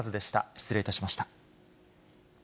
失礼いたしました。